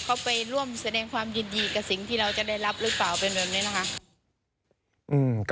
เขาไปร่วมแสดงความยินดีกับสิ่งที่เราจะได้รับหรือเปล่าเป็นแบบนี้นะคะ